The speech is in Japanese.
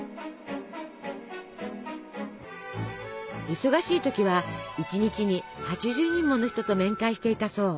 忙しい時は１日に８０人もの人と面会していたそう。